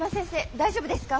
大丈夫ですか？